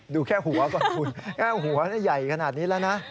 ดูแค่หัวก่อนคุณแค่หัวใหญ่ขนาดนี้แล้วนะ